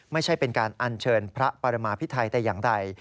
ไม่ใช่เป็นการอัญเชิญพระปรมาพิไทยแต่อย่างใด